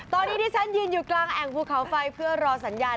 ตอนนี้ที่ฉันยืนอยู่กลางแอ่งภูเขาไฟเพื่อรอสัญญาณ